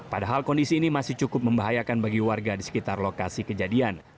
padahal kondisi ini masih cukup membahayakan bagi warga di sekitar lokasi kejadian